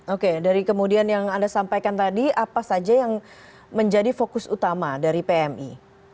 oke dari kemudian yang anda sampaikan tadi apa saja yang menjadi fokus utama dari pmi